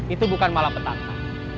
itu bukan malapetaka